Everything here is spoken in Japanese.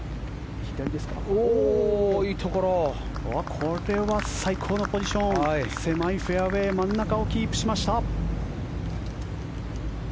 これは最高のポジション狭いフェアウェー真ん中をキープしました。